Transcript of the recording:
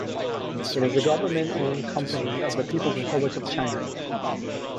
It is a government-owned company of the People's Republic of China.